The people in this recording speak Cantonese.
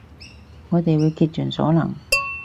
我哋會竭盡所能